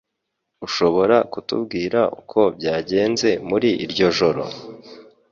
Ushobora kutubwira uko byagenze muri iryo joro?